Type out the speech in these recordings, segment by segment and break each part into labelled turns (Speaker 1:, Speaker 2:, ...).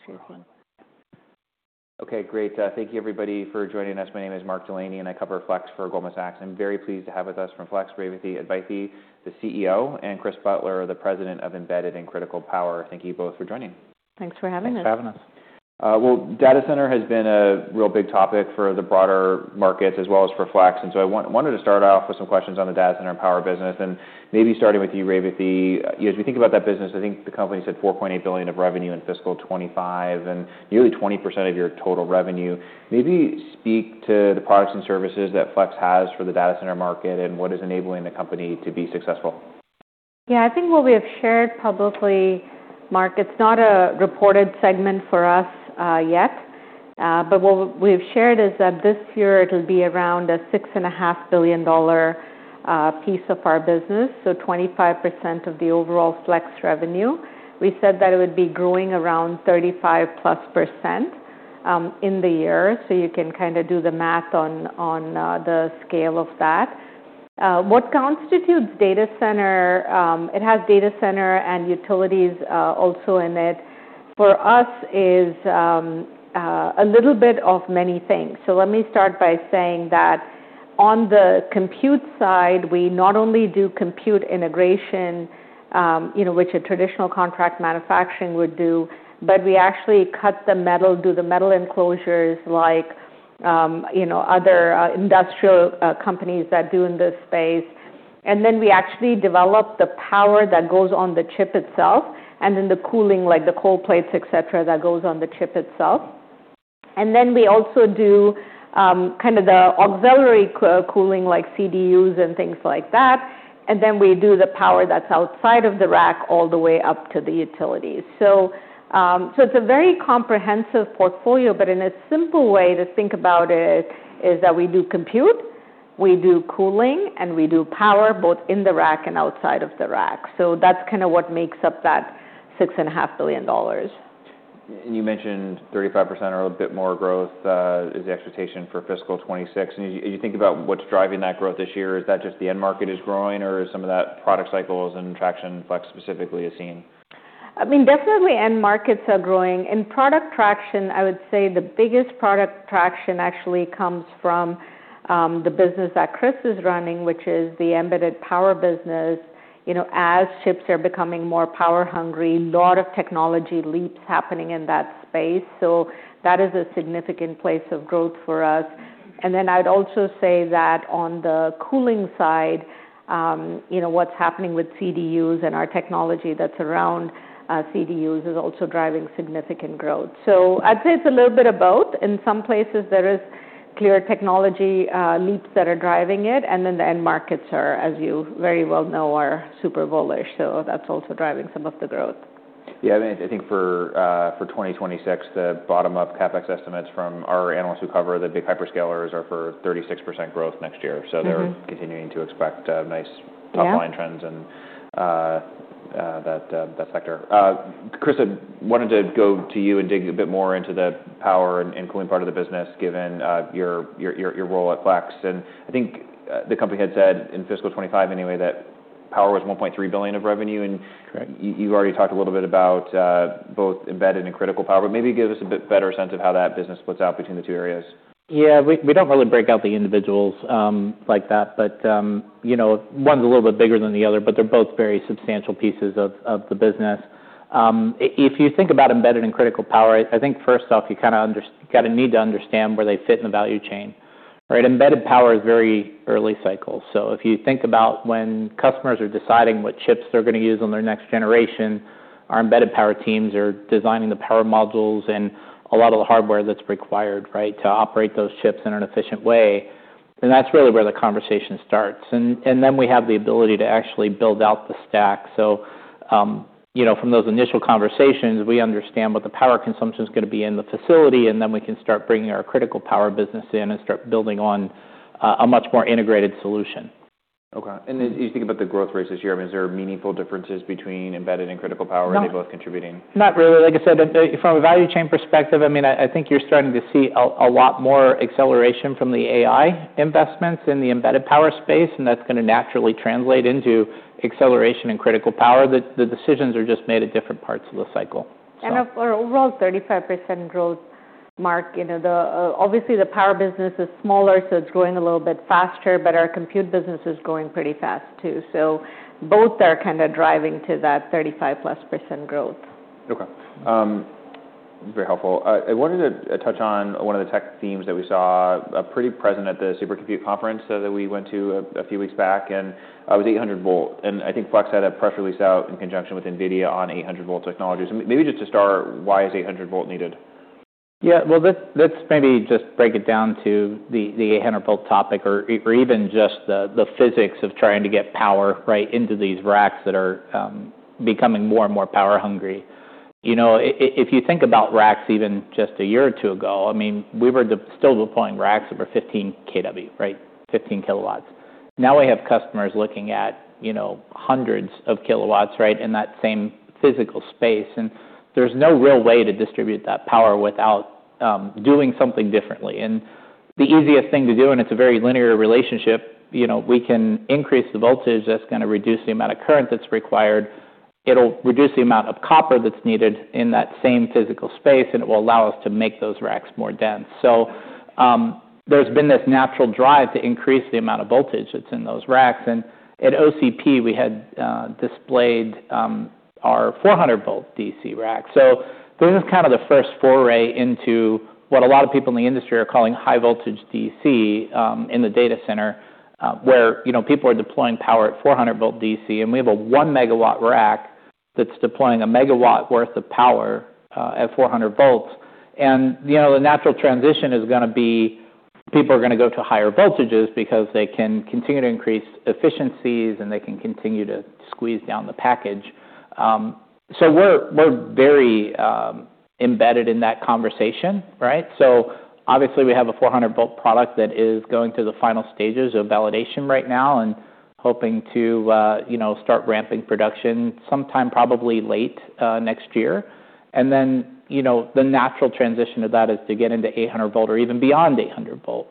Speaker 1: Yeah, sure thing.
Speaker 2: Okay. Great. Thank you, everybody, for joining us. My name is Mark Delaney, and I cover Flex for Goldman Sachs. I'm very pleased to have with us from Flex, Revathi Advaithi, the CEO, and Chris Butler, the President of Embedded and Critical Power. Thank you both for joining.
Speaker 1: Thanks for having us.
Speaker 2: Thanks for having us. Well, data center has been a real big topic for the broader markets as well as for Flex. And so I wanted to start off with some questions on the data center and power business, and maybe starting with you, Revathi. You know, as we think about that business, I think the company said $4.8 billion of revenue in fiscal 2025, and nearly 20% of your total revenue. Maybe speak to the products and services that Flex has for the data center market, and what is enabling the company to be successful.
Speaker 1: Yeah. I think what we have shared publicly, Mark, it's not a reported segment for us, yet. But what we've shared is that this year it'll be around a $6.5 billion piece of our business, so 25% of the overall Flex revenue. We said that it would be growing around 35%+, in the year. So you can kinda do the math on the scale of that. What constitutes data center, it has data center and utilities also in it, for us is a little bit of many things. So let me start by saying that on the compute side, we not only do compute integration, you know, which a traditional contract manufacturing would do, but we actually cut the metal, do the metal enclosures like you know, other industrial companies that do in this space. And then we actually develop the power that goes on the chip itself, and then the cooling, like the cold plates, etc., that goes on the chip itself. And then we also do kinda the auxiliary cooling, like CDUs and things like that. And then we do the power that's outside of the rack all the way up to the utilities. So it's a very comprehensive portfolio, but in a simple way to think about it is that we do compute, we do cooling, and we do power both in the rack and outside of the rack. So that's kinda what makes up that $6.5 billion.
Speaker 2: And you mentioned 35% or a bit more growth is the expectation for fiscal 2026. And as you think about what's driving that growth this year, is that just the end market is growing, or is some of that product cycles and traction Flex specifically has seen?
Speaker 1: I mean, definitely end markets are growing. In product traction, I would say the biggest product traction actually comes from the business that Chris is running, which is the Embedded Power business. You know, as chips are becoming more power hungry, a lot of technology leaps happening in that space, so that is a significant place of growth for us, and then I'd also say that on the cooling side, you know, what's happening with CDUs and our technology that's around CDUs is also driving significant growth. So I'd say it's a little bit of both. In some places, there is clear technology leaps that are driving it, and then the end markets are, as you very well know, are super bullish, so that's also driving some of the growth.
Speaker 2: Yeah. I mean, I think for 2026, the bottom-up CapEx estimates from our analysts who cover the big hyperscalers are for 36% growth next year. So they're continuing to expect nice top-line trends in that sector. Chris, I wanted to go to you and dig a bit more into the power and cooling part of the business, given your role at Flex. And I think the company had said in fiscal 2025 anyway that power was $1.3 billion of revenue.
Speaker 3: Correct.
Speaker 2: You already talked a little bit about both Embedded and Critical Power, but maybe give us a bit better sense of how that business splits out between the two areas.
Speaker 3: Yeah. We don't really break out the individuals, like that, but, you know, one's a little bit bigger than the other, but they're both very substantial pieces of the business. If you think about Embedded and Critical Power, I think first off you kinda need to understand where they fit in the value chain, right? Embedded Power is very early cycle. So if you think about when customers are deciding what chips they're gonna use on their next generation, our Embedded Power teams are designing the power modules and a lot of the hardware that's required, right, to operate those chips in an efficient way. And that's really where the conversation starts, and then we have the ability to actually build out the stack. So, you know, from those initial conversations, we understand what the power consumption's gonna be in the facility, and then we can start bringing our Critical Power business in and start building on a much more integrated solution.
Speaker 2: Okay. And as you think about the growth rates this year, I mean, is there meaningful differences between Embedded and Critical Power?
Speaker 3: Not.
Speaker 2: Are they both contributing?
Speaker 3: Not really. Like I said, from a value chain perspective, I mean, I think you're starting to see a lot more acceleration from the AI investments in the embedded power space, and that's gonna naturally translate into acceleration in Critical Power. The decisions are just made at different parts of the cycle.
Speaker 1: Of our overall 35% growth, Mark, you know, obviously the power business is smaller, so it's growing a little bit faster, but our compute business is growing pretty fast too, so both are kinda driving to that 35%+ growth.
Speaker 2: Okay, that's very helpful. I wanted to touch on one of the tech themes that we saw pretty present at the Supercomputing Conference that we went to a few weeks back, and it was 800 volt, and I think Flex had a press release out in conjunction with NVIDIA on 800 volt technology, so maybe just to start, why is 800 volt needed?
Speaker 3: Yeah. Well, that's maybe just break it down to the 800 volt topic, or even just the physics of trying to get power, right, into these racks that are becoming more and more power hungry. You know, if you think about racks even just a year or two ago, I mean, we were still deploying racks that were 15 kW, right, 15 kW. Now we have customers looking at, you know, hundreds of kW, right, in that same physical space. And there's no real way to distribute that power without doing something differently. And the easiest thing to do, and it's a very linear relationship, you know, we can increase the voltage that's gonna reduce the amount of current that's required. It'll reduce the amount of copper that's needed in that same physical space, and it will allow us to make those racks more dense. So, there's been this natural drive to increase the amount of voltage that's in those racks. And at OCP, we had displayed our 400 volt DC rack. So this is kinda the first foray into what a lot of people in the industry are calling high voltage DC in the data center, where you know people are deploying power at 400 volt DC, and we have a one MW rack that's deploying a MW worth of power at 400 volts. And you know the natural transition is gonna be people are gonna go to higher voltages because they can continue to increase efficiencies, and they can continue to squeeze down the package. So we're very embedded in that conversation, right? Obviously we have a 400 volt product that is going through the final stages of validation right now and hoping to, you know, start ramping production sometime probably late next year. Then, you know, the natural transition of that is to get into 800 volt or even beyond 800 volt.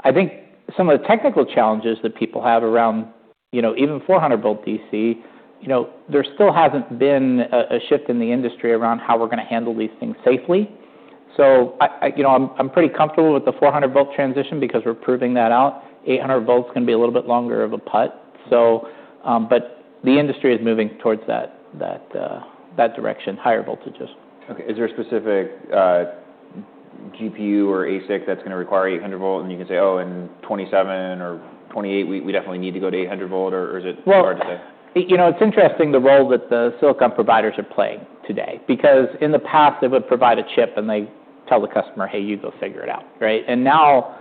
Speaker 3: I think some of the technical challenges that people have around, you know, even 400 volt DC, you know, there still hasn't been a shift in the industry around how we're gonna handle these things safely. So I, you know, I'm pretty comfortable with the 400 volt transition because we're proving that out. 800 volt's gonna be a little bit longer of a putt. So but the industry is moving towards that direction, higher voltages.
Speaker 2: Okay. Is there a specific GPU or ASIC that's gonna require 800 volt? And you can say, "Oh, in 2027 or 2028, we, we definitely need to go to 800 volt," or is it too hard to say?
Speaker 3: You know, it's interesting the role that the silicon providers are playing today because in the past they would provide a chip, and they tell the customer, "Hey, you go figure it out," right? And now,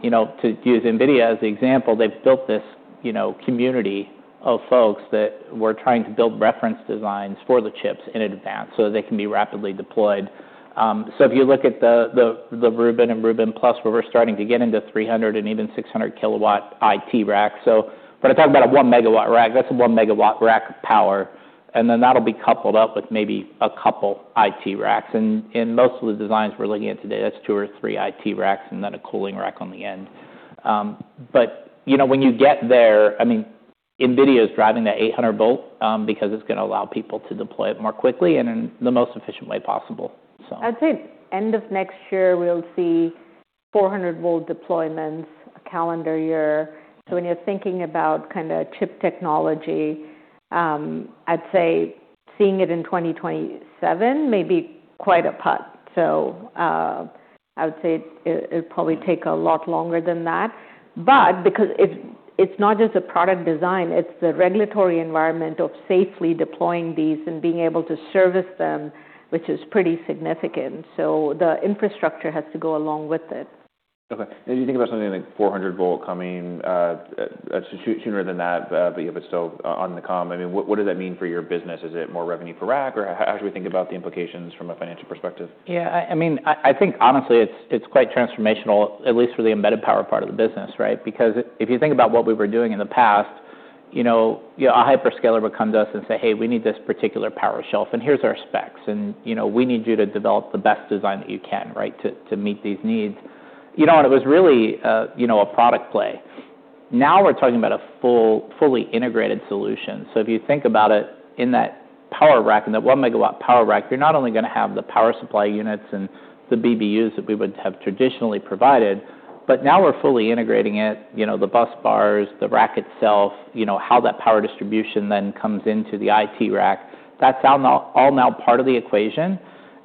Speaker 3: you know, to use NVIDIA as the example, they've built this, you know, community of folks that were trying to build reference designs for the chips in advance so that they can be rapidly deployed. So if you look at the Rubin and Rubin Plus, where we're starting to get into 300- and even 600 kW IT racks. So when I talk about a one MW rack, that's a one MW rack of power. And then that'll be coupled up with maybe a couple IT racks, and most of the designs we're looking at today, that's two or three IT racks and then a cooling rack on the end. But, you know, when you get there, I mean, NVIDIA is driving that 800 volt, because it's gonna allow people to deploy it more quickly and in the most efficient way possible, so.
Speaker 1: I'd say end of next year we'll see 400 volt deployments, a calendar year. So when you're thinking about kinda chip technology, I'd say seeing it in 2027 may be quite a putt. So, I would say it'll probably take a lot longer than that. But because it's not just a product design, it's the regulatory environment of safely deploying these and being able to service them, which is pretty significant. So the infrastructure has to go along with it.
Speaker 2: Okay. And you think about something like 400-volt coming, so sooner than that, but you have it still, on the come. I mean, what does that mean for your business? Is it more revenue per rack, or how should we think about the implications from a financial perspective?
Speaker 3: Yeah. I mean, I think honestly it's quite transformational, at least for the Embedded Power part of the business, right? Because if you think about what we were doing in the past, you know, a hyperscaler would come to us and say, "Hey, we need this particular power shelf, and here's our specs, and, you know, we need you to develop the best design that you can, right, to meet these needs." You know, and it was really, you know, a product play. Now we're talking about a fully integrated solution. So if you think about it in that power rack, in that one MW power rack, you're not only gonna have the power supply units and the BBUs that we would have traditionally provided, but now we're fully integrating it, you know, the bus bars, the rack itself, you know, how that power distribution then comes into the IT rack. That's all now part of the equation.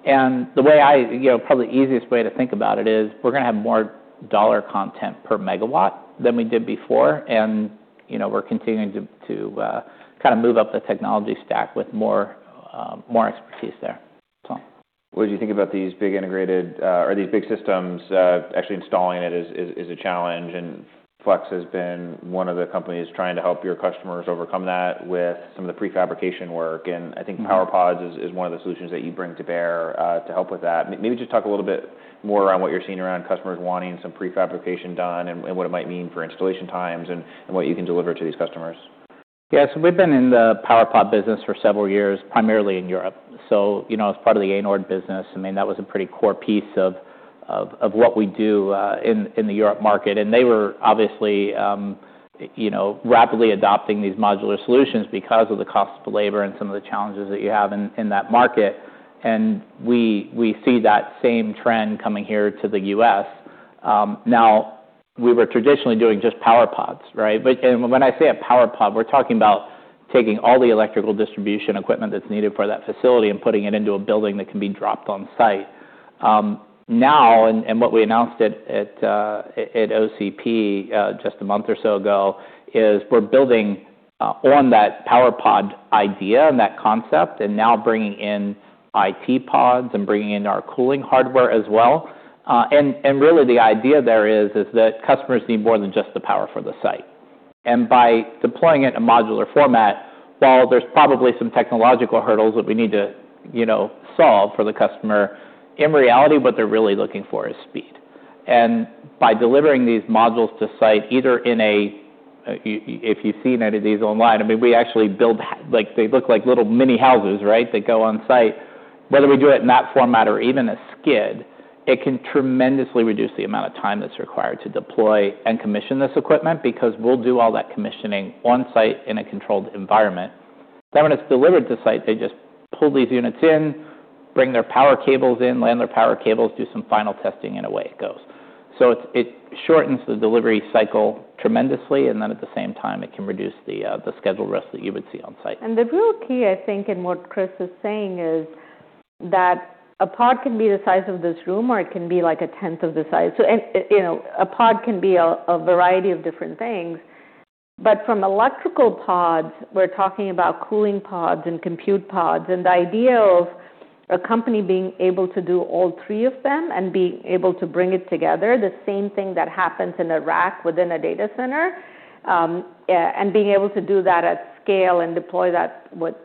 Speaker 3: And the way I, you know, probably the easiest way to think about it is we're gonna have more dollar content per MW than we did before. And, you know, we're continuing to kinda move up the technology stack with more expertise there. So.
Speaker 2: What did you think about these big integrated, or these big systems, actually installing it is a challenge? And Flex has been one of the companies trying to help your customers overcome that with some of the prefabrication work. And I think PowerPods is one of the solutions that you bring to bear, to help with that. Maybe just talk a little bit more around what you're seeing around customers wanting some prefabrication done and what it might mean for installation times and what you can deliver to these customers.
Speaker 3: Yeah. So we've been in the PowerPod business for several years, primarily in Europe. So, you know, as part of the Anord business, I mean, that was a pretty core piece of what we do, in the Europe market. And they were obviously, you know, rapidly adopting these modular solutions because of the cost of labor and some of the challenges that you have in that market. And we see that same trend coming here to the U.S. Now we were traditionally doing just PowerPods, right? But when I say a PowerPod, we're talking about taking all the electrical distribution equipment that's needed for that facility and putting it into a building that can be dropped on site. Now, what we announced at OCP just a month or so ago is we're building on that PowerPod idea and that concept and now bringing in IT pods and bringing in our cooling hardware as well. And really the idea there is that customers need more than just the power for the site. And by deploying it in a modular format, while there's probably some technological hurdles that we need to, you know, solve for the customer, in reality, what they're really looking for is speed. And by delivering these modules to site, either in a if you've seen any of these online, I mean, we actually build them like they look like little mini houses, right, that go on site. Whether we do it in that format or even a skid, it can tremendously reduce the amount of time that's required to deploy and commission this equipment because we'll do all that commissioning on site in a controlled environment. Then when it's delivered to site, they just pull these units in, bring their power cables in, land their power cables, do some final testing, and away it goes. So it's, it shortens the delivery cycle tremendously, and then at the same time, it can reduce the, the schedule risk that you would see on site.
Speaker 1: And the real key, I think, in what Chris is saying is that a pod can be the size of this room, or it can be like a tenth of the size. So, you know, a pod can be a variety of different things. But from electrical pods, we're talking about cooling pods and compute pods. And the idea of a company being able to do all three of them and being able to bring it together, the same thing that happens in a rack within a data center, and being able to do that at scale and deploy that with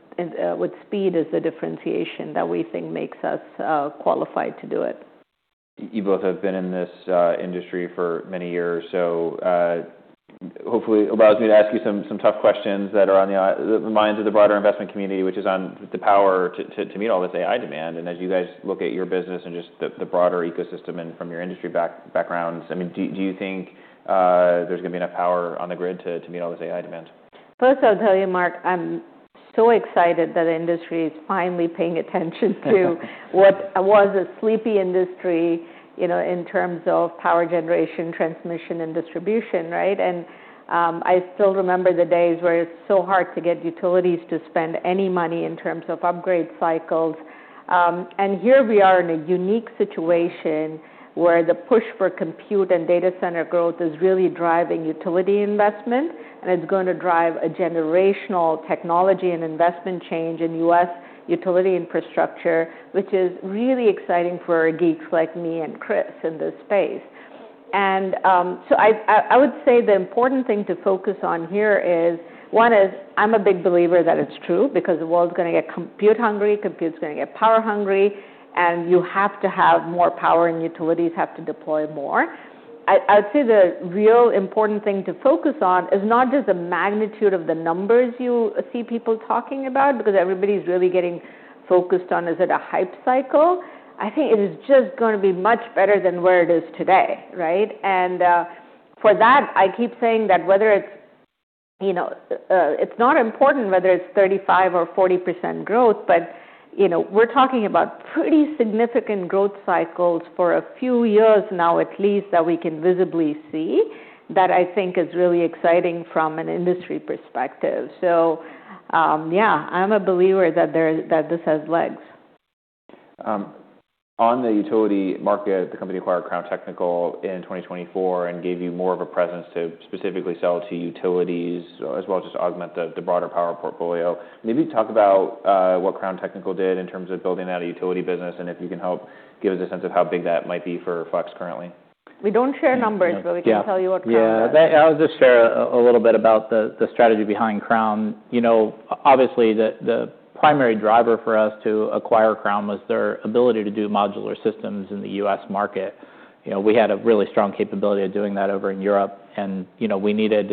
Speaker 1: speed is the differentiation that we think makes us qualified to do it.
Speaker 2: You both have been in this industry for many years, so hopefully it allows me to ask you some tough questions that are on the minds of the broader investment community, which is on the power to meet all this AI demand, and as you guys look at your business and just the broader ecosystem and from your industry backgrounds, I mean, do you think there's gonna be enough power on the grid to meet all this AI demand?
Speaker 1: First, I'll tell you, Mark, I'm so excited that the industry is finally paying attention to what was a sleepy industry, you know, in terms of power generation, transmission, and distribution, right? And, I still remember the days where it's so hard to get utilities to spend any money in terms of upgrade cycles. And here we are in a unique situation where the push for compute and data center growth is really driving utility investment, and it's gonna drive a generational technology and investment change in U.S. utility infrastructure, which is really exciting for geeks like me and Chris in this space. I would say the important thing to focus on here is one is I'm a big believer that it's true because the world's gonna get compute hungry, compute's gonna get power hungry, and you have to have more power, and utilities have to deploy more. I would say the real important thing to focus on is not just the magnitude of the numbers you see people talking about because everybody's really getting focused on is it a hype cycle. I think it is just gonna be much better than where it is today, right? For that, I keep saying that whether it's, you know, it's not important whether it's 35% or 40% growth, but, you know, we're talking about pretty significant growth cycles for a few years now at least that we can visibly see that I think is really exciting from an industry perspective. So, yeah, I'm a believer that this has legs.
Speaker 2: On the utility market, the company acquired Crown Technical in 2024 and gave you more of a presence to specifically sell to utilities as well as just augment the broader power portfolio. Maybe talk about what Crown Technical did in terms of building out a utility business and if you can help give us a sense of how big that might be for Flex currently.
Speaker 1: We don't share numbers, but we can tell you what Crown does.
Speaker 3: Yeah. They, I'll just share a little bit about the strategy behind Crown. You know, obviously the primary driver for us to acquire Crown was their ability to do modular systems in the U.S. market. You know, we had a really strong capability of doing that over in Europe, and, you know, we needed,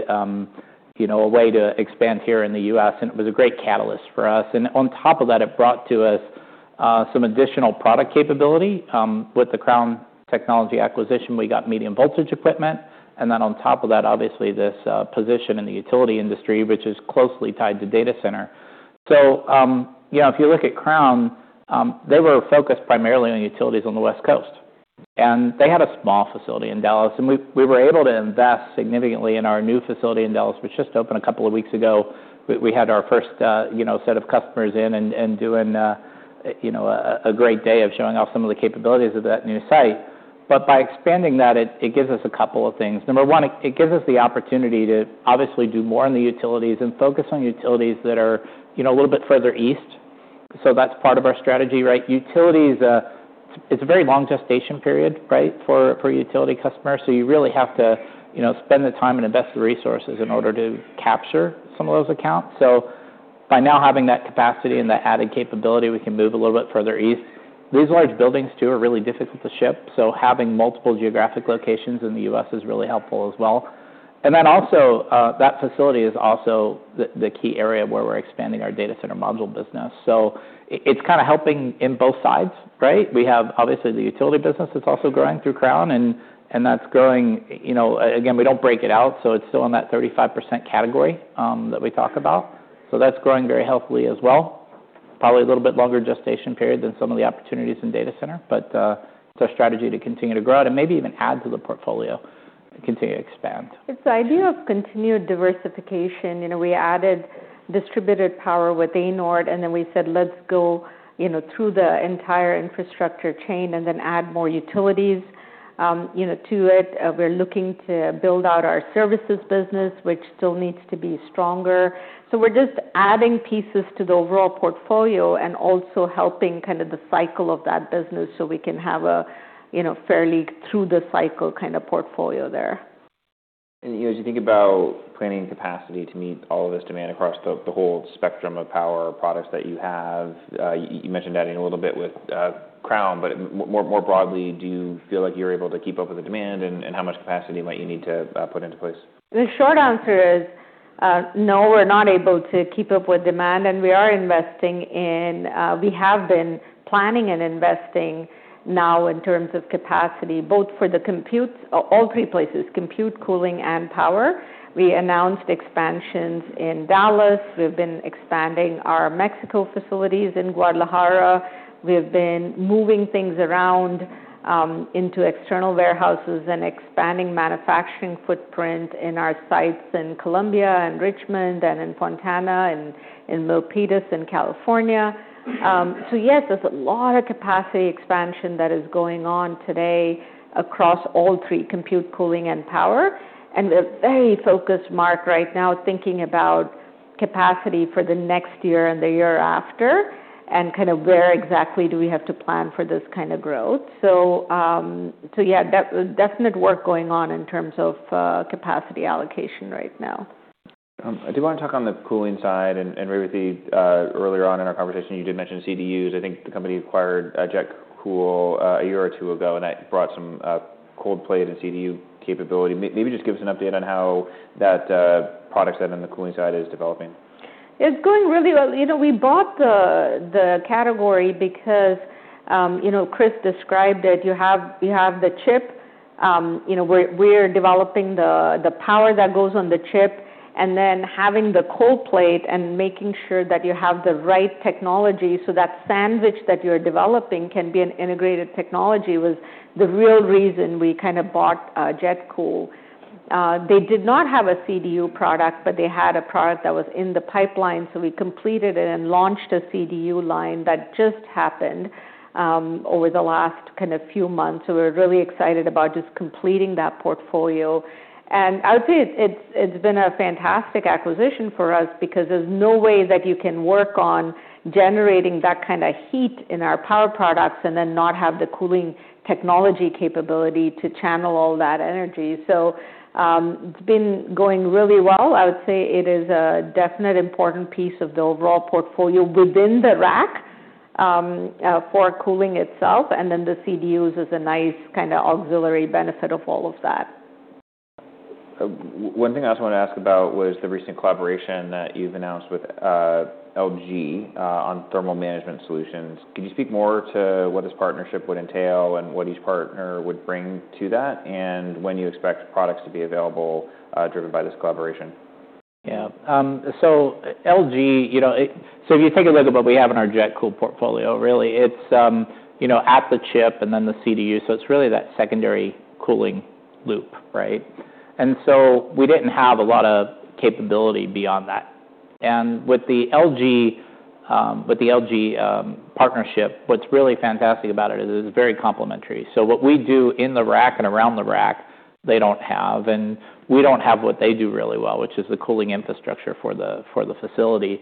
Speaker 3: you know, a way to expand here in the U.S., and it was a great catalyst for us. And on top of that, it brought to us some additional product capability. With the Crown technology acquisition, we got medium voltage equipment. And then on top of that, obviously this position in the utility industry, which is closely tied to data center. So, you know, if you look at Crown, they were focused primarily on utilities on the West Coast. They had a small facility in Dallas, and we were able to invest significantly in our new facility in Dallas, which just opened a couple of weeks ago. We had our first, you know, set of customers in and doing a, you know, a great day of showing off some of the capabilities of that new site. By expanding that, it gives us a couple of things. Number one, it gives us the opportunity to obviously do more in the utilities and focus on utilities that are, you know, a little bit further east. That's part of our strategy, right? Utilities, it's a very long gestation period, right, for utility customers. So you really have to, you know, spend the time and invest the resources in order to capture some of those accounts. So by now having that capacity and that added capability, we can move a little bit further east. These large buildings too are really difficult to ship. So having multiple geographic locations in the U.S. is really helpful as well. And then also, that facility is also the, the key area where we're expanding our data center module business. So it's kinda helping in both sides, right? We have obviously the utility business that's also growing through Crown, and, and that's growing, you know, again, we don't break it out, so it's still in that 35% category, that we talk about. So that's growing very healthily as well. Probably a little bit longer gestation period than some of the opportunities in data center, but, it's our strategy to continue to grow it and maybe even add to the portfolio, continue to expand.
Speaker 1: It's the idea of continued diversification. You know, we added distributed power with Anord, and then we said, "Let's go, you know, through the entire infrastructure chain and then add more utilities," you know, to it. We're looking to build out our services business, which still needs to be stronger. So we're just adding pieces to the overall portfolio and also helping kinda the cycle of that business so we can have a, you know, fairly through-the-cycle kinda portfolio there.
Speaker 2: You know, as you think about planning capacity to meet all of this demand across the whole spectrum of power products that you have, you mentioned adding a little bit with Crown, but more broadly, do you feel like you're able to keep up with the demand, and how much capacity might you need to put into place?
Speaker 1: The short answer is, no, we're not able to keep up with demand, and we are investing in, we have been planning and investing now in terms of capacity, both for the compute, all three places: compute, cooling, and power. We announced expansions in Dallas. We've been expanding our Mexico facilities in Guadalajara. We have been moving things around, into external warehouses and expanding manufacturing footprint in our sites in Columbia, and Richmond, and in Fontana, and in Milpitas in California, so yes, there's a lot of capacity expansion that is going on today across all three: compute, cooling, and power. And we're very focused, Mark, right now, thinking about capacity for the next year and the year after and kinda where exactly do we have to plan for this kinda growth, so yeah, that definite work going on in terms of capacity allocation right now.
Speaker 2: I did wanna talk on the cooling side. Revathi, earlier on in our conversation, you did mention CDUs. I think the company acquired JetCool a year or two ago, and that brought some cold plate and CDU capability. Maybe just give us an update on how that product set on the cooling side is developing.
Speaker 1: It's going really well. You know, we bought the category because, you know, Chris described it. You have the chip, you know, we're developing the power that goes on the chip, and then having the cold plate and making sure that you have the right technology so that sandwich that you're developing can be an integrated technology was the real reason we kinda bought JetCool. They did not have a CDU product, but they had a product that was in the pipeline, so we completed it and launched a CDU line that just happened over the last kinda few months. So we're really excited about just completing that portfolio. I would say it's been a fantastic acquisition for us because there's no way that you can work on generating that kinda heat in our power products and then not have the cooling technology capability to channel all that energy. It's been going really well. I would say it is a definite important piece of the overall portfolio within the rack, for cooling itself, and then the CDUs is a nice kinda auxiliary benefit of all of that.
Speaker 2: One thing I also wanna ask about was the recent collaboration that you've announced with LG on thermal management solutions. Could you speak more to what this partnership would entail and what each partner would bring to that and when you expect products to be available, driven by this collaboration?
Speaker 3: Yeah. So LG, you know, if you take a look at what we have in our JetCool portfolio, really, it's, you know, at the chip and then the CDU. It's really that secondary cooling loop, right? We didn't have a lot of capability beyond that. With the LG partnership, what's really fantastic about it is it's very complementary. What we do in the rack and around the rack, they don't have, and we don't have what they do really well, which is the cooling infrastructure for the facility.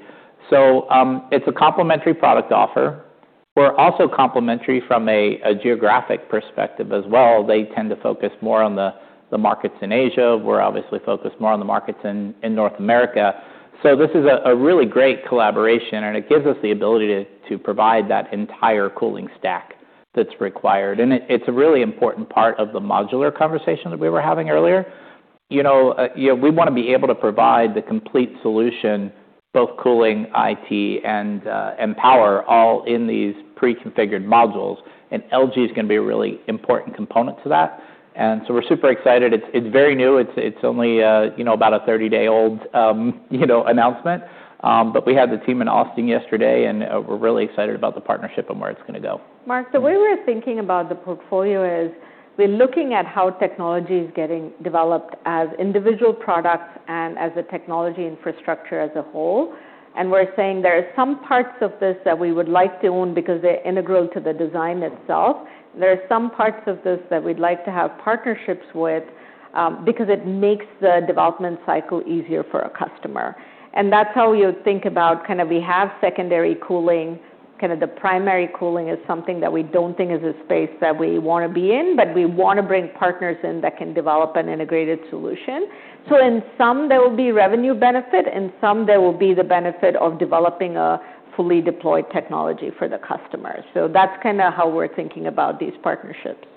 Speaker 3: It's a complementary product offer. We're also complementary from a geographic perspective as well. They tend to focus more on the markets in Asia. We're obviously focused more on the markets in North America. So this is a really great collaboration, and it gives us the ability to provide that entire cooling stack that's required. And it's a really important part of the modular conversation that we were having earlier. You know, we wanna be able to provide the complete solution, both cooling, IT, and power, all in these pre-configured modules. And LG is gonna be a really important component to that. And so we're super excited. It's very new. It's only, you know, about a 30-day-old, you know, announcement. But we had the team in Austin yesterday, and we're really excited about the partnership and where it's gonna go.
Speaker 1: Mark, the way we're thinking about the portfolio is we're looking at how technology is getting developed as individual products and as a technology infrastructure as a whole. And we're saying there are some parts of this that we would like to own because they're integral to the design itself. There are some parts of this that we'd like to have partnerships with, because it makes the development cycle easier for a customer. And that's how you would think about kinda we have secondary cooling. Kinda the primary cooling is something that we don't think is a space that we wanna be in, but we wanna bring partners in that can develop an integrated solution. So in some, there will be revenue benefit. In some, there will be the benefit of developing a fully deployed technology for the customer. So that's kinda how we're thinking about these partnerships.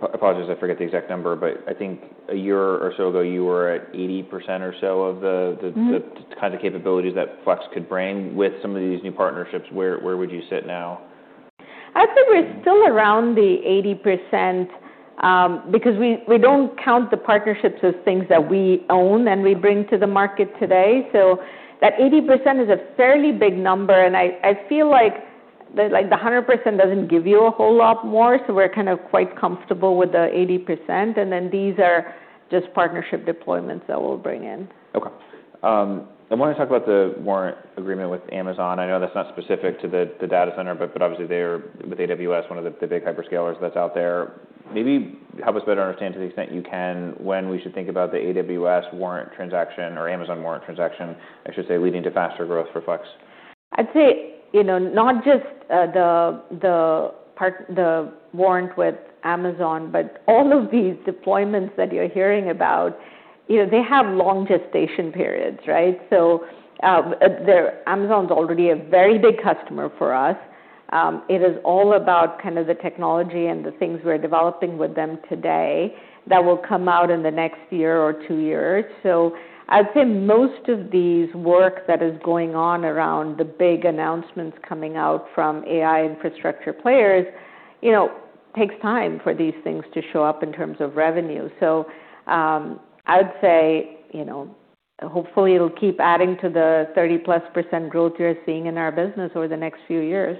Speaker 2: Apologies. I forget the exact number, but I think a year or so ago, you were at 80% or so of the kinds of capabilities that Flex could bring. With some of these new partnerships, where would you sit now?
Speaker 1: I'd say we're still around the 80%, because we don't count the partnerships as things that we own and we bring to the market today, so that 80% is a fairly big number, and I feel like the 100% doesn't give you a whole lot more, so we're kinda quite comfortable with the 80%, and then these are just partnership deployments that we'll bring in.
Speaker 2: Okay. I wanna talk about the warrant agreement with Amazon. I know that's not specific to the data center, but obviously they are with AWS, one of the big hyperscalers that's out there. Maybe help us better understand to the extent you can when we should think about the AWS warrant transaction or Amazon warrant transaction, I should say, leading to faster growth for Flex.
Speaker 1: I'd say, you know, not just the part, the warrant with Amazon, but all of these deployments that you're hearing about, you know, they have long gestation periods, right? So, they're Amazon's already a very big customer for us. It is all about kinda the technology and the things we're developing with them today that will come out in the next year or two years. So I'd say most of these work that is going on around the big announcements coming out from AI infrastructure players, you know, takes time for these things to show up in terms of revenue. So, I would say, you know, hopefully it'll keep adding to the 30%+ growth you're seeing in our business over the next few years.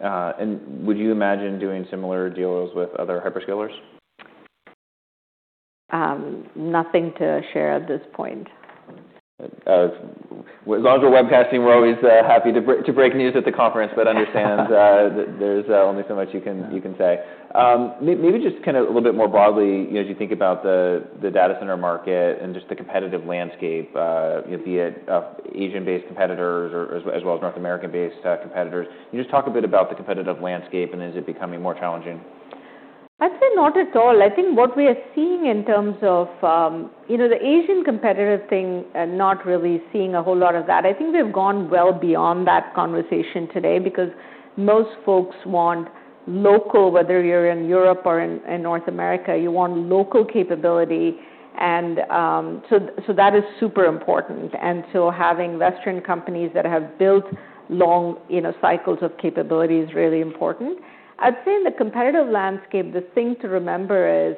Speaker 2: Right. And would you imagine doing similar deals with other hyperscalers?
Speaker 1: Nothing to share at this point.
Speaker 2: As long as we're webcasting, we're always happy to break news at the conference, but understand that there's only so much you can say. Maybe just kinda a little bit more broadly, you know, as you think about the data center market and just the competitive landscape, you know, be it Asian-based competitors or as well as North American-based competitors. Can you just talk a bit about the competitive landscape, and is it becoming more challenging?
Speaker 1: I'd say not at all. I think what we are seeing in terms of, you know, the Asian competitor thing, not really seeing a whole lot of that. I think we have gone well beyond that conversation today because most folks want local, whether you're in Europe or in North America, you want local capability. And so that is super important. And so having Western companies that have built long, you know, cycles of capability is really important. I'd say in the competitive landscape, the thing to remember is,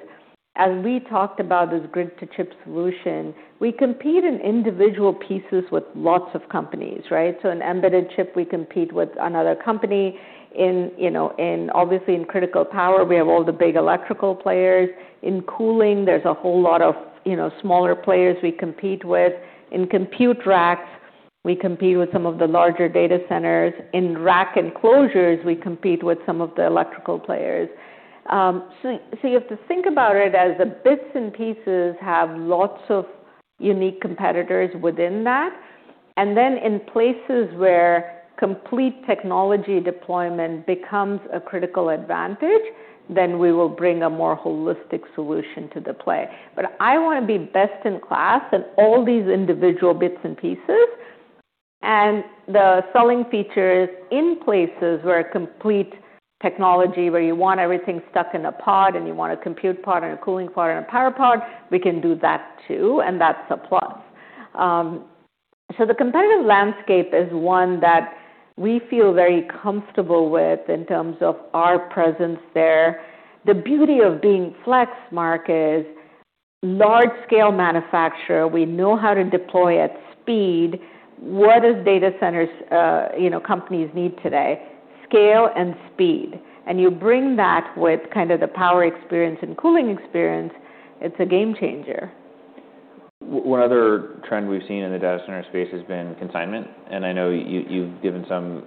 Speaker 1: as we talked about this grid-to-chip solution, we compete in individual pieces with lots of companies, right? So an embedded chip, we compete with another company. In, you know, obviously in critical power, we have all the big electrical players. In cooling, there's a whole lot of, you know, smaller players we compete with. In compute racks, we compete with some of the larger data centers. In rack enclosures, we compete with some of the electrical players. So you have to think about it as the bits and pieces have lots of unique competitors within that. And then in places where complete technology deployment becomes a critical advantage, then we will bring a more holistic solution to the play. But I wanna be best in class in all these individual bits and pieces. And the selling feature is in places where complete technology, where you want everything stuck in a pod, and you want a compute pod, and a cooling for an entire pod, we can do that too. And that's a plus. So the competitive landscape is one that we feel very comfortable with in terms of our presence there. The beauty of being Flex, Mark, is large-scale manufacturer. We know how to deploy at speed. What does data centers, you know, companies need today? Scale and speed. And you bring that with kinda the power experience and cooling experience. It's a game changer.
Speaker 2: One other trend we've seen in the data center space has been consignment. And I know you, you've given some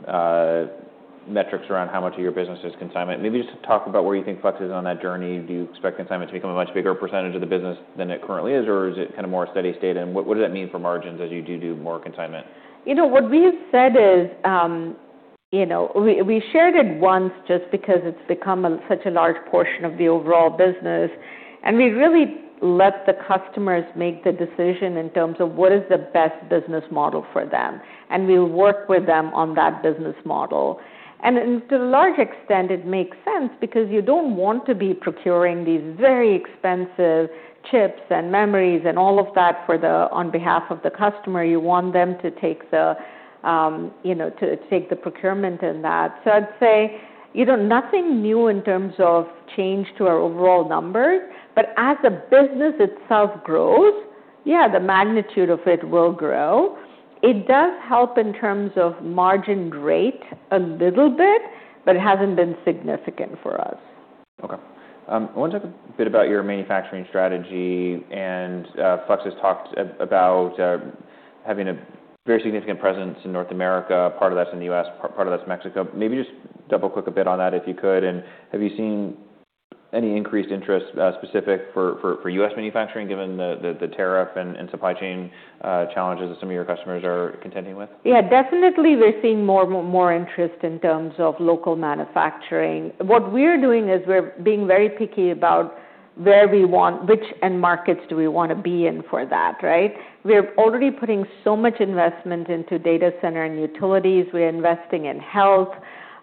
Speaker 2: metrics around how much of your business is consignment. Maybe just to talk about where you think Flex is on that journey. Do you expect consignment to become a much bigger percentage of the business than it currently is, or is it kinda more a steady state? And what does that mean for margins as you do more consignment?
Speaker 1: You know, what we have said is, you know, we shared it once just because it's become such a large portion of the overall business. And we really let the customers make the decision in terms of what is the best business model for them. And we'll work with them on that business model. And to a large extent, it makes sense because you don't want to be procuring these very expensive chips and memories and all of that for them on behalf of the customer. You want them to take the, you know, procurement in that. So I'd say, you know, nothing new in terms of change to our overall numbers. But as the business itself grows, yeah, the magnitude of it will grow. It does help in terms of margin rate a little bit, but it hasn't been significant for us.
Speaker 2: Okay. I wanna talk a bit about your manufacturing strategy. Flex has talked about having a very significant presence in North America. Part of that's in the U.S. Part of that's Mexico. Maybe just double-click a bit on that if you could. Have you seen any increased interest specific for U.S. manufacturing given the tariff and supply chain challenges that some of your customers are contending with?
Speaker 1: Yeah. Definitely, we're seeing more interest in terms of local manufacturing. What we are doing is we're being very picky about where we want which end markets do we wanna be in for that, right? We're already putting so much investment into data center and utilities. We're investing in health.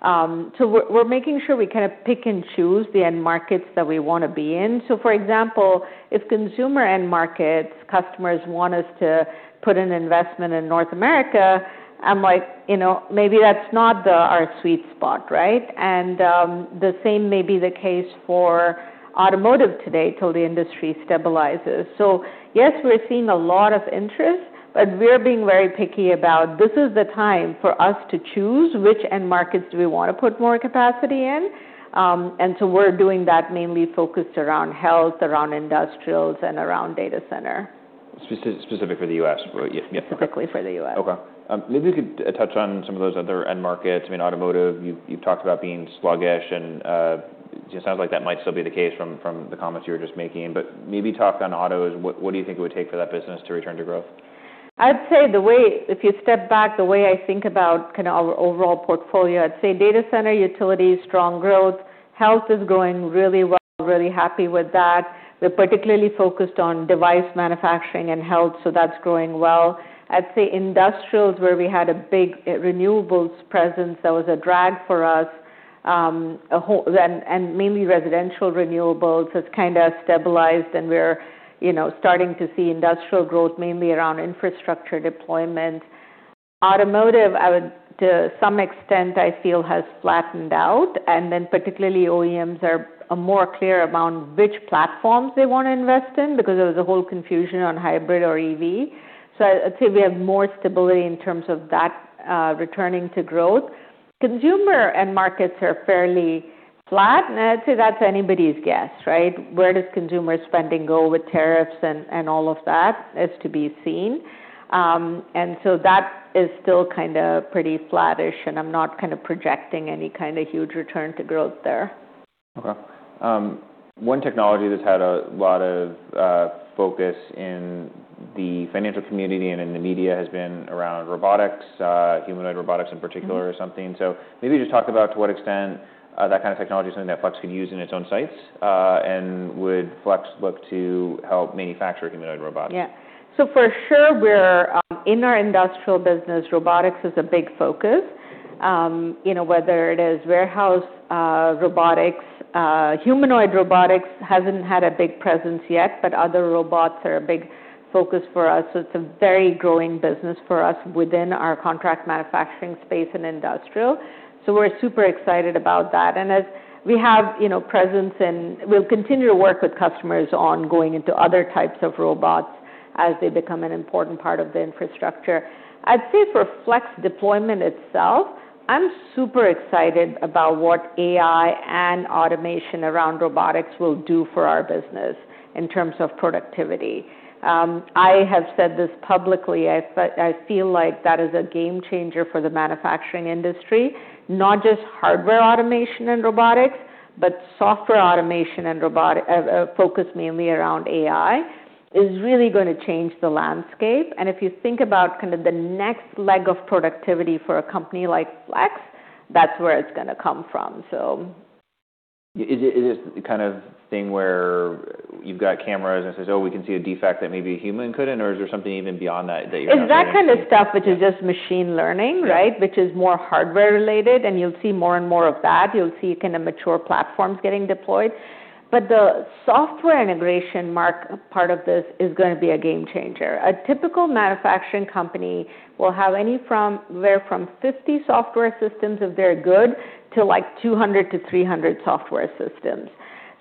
Speaker 1: So we're making sure we kinda pick and choose the end markets that we wanna be in. So, for example, if consumer end markets customers want us to put an investment in North America, I'm like, you know, maybe that's not our sweet spot, right? And the same may be the case for automotive today till the industry stabilizes. So yes, we're seeing a lot of interest, but we're being very picky about this. This is the time for us to choose which end markets do we wanna put more capacity in. And so we're doing that mainly focused around health, around industrials, and around data center.
Speaker 2: Specific for the U.S., right? Yeah.
Speaker 1: Specifically for the U.S.
Speaker 2: Okay, maybe you could touch on some of those other end markets. I mean, automotive, you've talked about being sluggish, and it sounds like that might still be the case from the comments you were just making. But maybe talk on autos. What do you think it would take for that business to return to growth?
Speaker 1: I'd say the way, if you step back, the way I think about kinda our overall portfolio, I'd say data center, utilities, strong growth. Health is going really well. We're really happy with that. We're particularly focused on device manufacturing and health, so that's growing well. I'd say industrials where we had a big renewables presence, that was a drag for us as a whole, and mainly residential renewables has kinda stabilized, and we're, you know, starting to see industrial growth mainly around infrastructure deployment. Automotive, I would to some extent, I feel, has flattened out. Then particularly OEMs are more clear about which platforms they wanna invest in because there was a whole confusion on hybrid or EV. So I'd say we have more stability in terms of that, returning to growth. Consumer end markets are fairly flat. I'd say that's anybody's guess, right? Where does consumer spending go with tariffs and all of that is to be seen, and so that is still kinda pretty flattish, and I'm not kinda projecting any kinda huge return to growth there.
Speaker 2: Okay. One technology that's had a lot of focus in the financial community and in the media has been around robotics, humanoid robotics in particular or something. So maybe just talk about to what extent that kinda technology is something that Flex could use in its own sites, and would Flex look to help manufacture humanoid robotics?
Speaker 1: Yeah. So for sure, we're in our industrial business, robotics is a big focus. You know, whether it is warehouse robotics, humanoid robotics hasn't had a big presence yet, but other robots are a big focus for us. So it's a very growing business for us within our contract manufacturing space and industrial. So we're super excited about that. And as we have, you know, presence, we'll continue to work with customers on going into other types of robots as they become an important part of the infrastructure. I'd say for Flex deployment itself, I'm super excited about what AI and automation around robotics will do for our business in terms of productivity. I have said this publicly. If I feel like that is a game changer for the manufacturing industry. Not just hardware automation and robotics, but software automation and robotics, focus mainly around AI is really gonna change the landscape, and if you think about kinda the next leg of productivity for a company like Flex, that's where it's gonna come from, so.
Speaker 2: Is it kind of thing where you've got cameras and it says, "Oh, we can see a defect that maybe a human couldn't"? Or is there something even beyond that that you're not?
Speaker 1: It's that kinda stuff which is just machine learning, right? Which is more hardware-related, and you'll see more and more of that. You'll see kinda mature platforms getting deployed. But the software integration, Mark, part of this is gonna be a game changer. A typical manufacturing company will have anywhere from 50 software systems, if they're good, to like 200 to 300 software systems.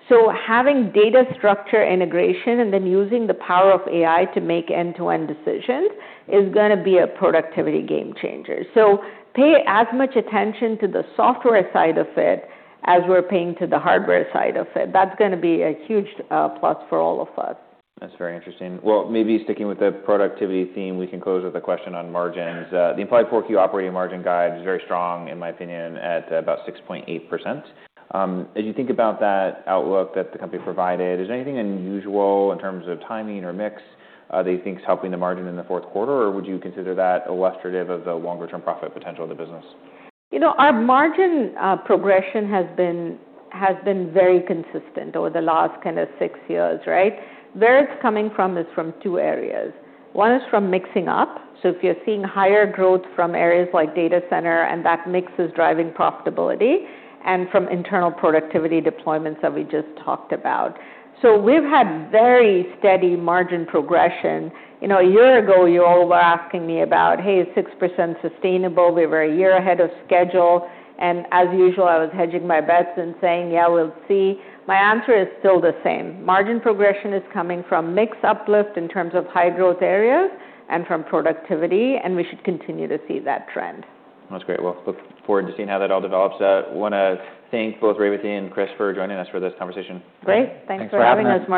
Speaker 1: So having data structure integration and then using the power of AI to make end-to-end decisions is gonna be a productivity game changer. So pay as much attention to the software side of it as we're paying to the hardware side of it. That's gonna be a huge plus for all of us.
Speaker 2: That's very interesting. Well, maybe sticking with the productivity theme, we can close with a question on margins. The implied 4Q operating margin guide is very strong, in my opinion, at about 6.8%. As you think about that outlook that the company provided, is there anything unusual in terms of timing or mix, that you think's helping the margin in the fourth quarter? Or would you consider that illustrative of the longer-term profit potential of the business?
Speaker 1: You know, our margin progression has been very consistent over the last kinda six years, right? Where it's coming from is from two areas. One is from mixing up. So if you're seeing higher growth from areas like data center, and that mix is driving profitability, and from internal productivity deployments that we just talked about. So we've had very steady margin progression. You know, a year ago, you all were asking me about, "Hey, is 6% sustainable? We were a year ahead of schedule." And as usual, I was hedging my bets and saying, "Yeah, we'll see." My answer is still the same. Margin progression is coming from mix uplift in terms of high-growth areas and from productivity, and we should continue to see that trend.
Speaker 2: That's great. Well, look forward to seeing how that all develops. Wanna thank both Revathi and Chris for joining us for this conversation.
Speaker 1: Great. Thanks for having us.
Speaker 3: Thanks for having us.